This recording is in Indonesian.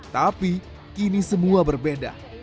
tapi kini semua berbeda